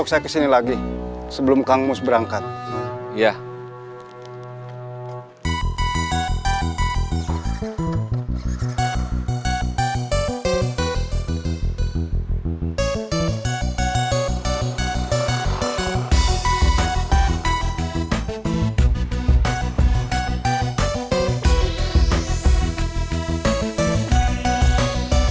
kalau gitu berarti teteh udah tau semua